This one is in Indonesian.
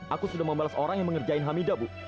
aku sudah membalas orang yang mengerjakan hamidah bu